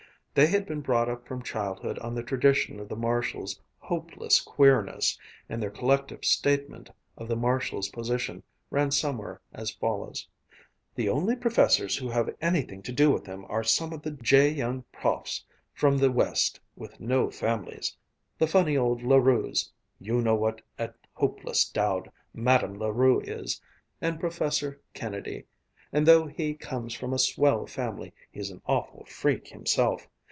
They had been brought up from childhood on the tradition of the Marshalls' hopeless queerness, and their collective statement of the Marshalls' position ran somewhat as follows: "The only professors who have anything to do with them are some of the jay young profs from the West, with no families; the funny old La Rues you know what a hopeless dowd Madame La Rue is and Professor Kennedy, and though he comes from a swell family he's an awful freak himself.